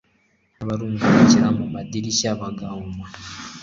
n'abarungurukira mu madirishya bagahuma